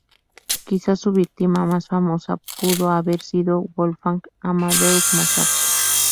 Quizás su víctima más famosa pudo haber sido Wolfgang Amadeus Mozart.